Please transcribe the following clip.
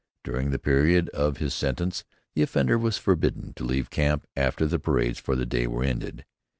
During the period of his sentence the offender was forbidden to leave camp after the parades for the day were ended.